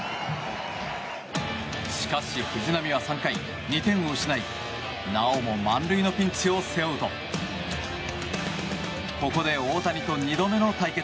しかし、藤浪は３回２点を失いなおも満塁のピンチを背負うとここで大谷と２度目の対決。